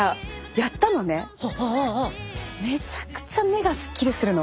めちゃくちゃ目がスッキリするの。